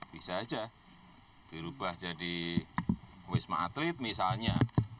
bisa saja dirubah jadi wisma atlet misalnya